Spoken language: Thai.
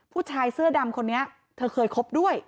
ผู้ชายเสื้อดำคนนี้เธอเคยคบด้วย